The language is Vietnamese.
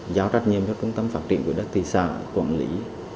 giao trách nhiệm cho trung tâm phát triển của đất thị xã quản lý